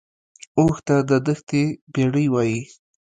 اوښ ته د دښتې بیړۍ وایي